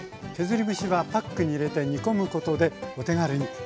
削り節はパックに入れて煮込むことでお手軽に。